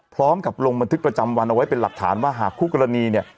พร้อมกับลงบันทึกประจำวันเอาไว้เป็นหลักฐานว่าหากคู่กรณีเนี่ย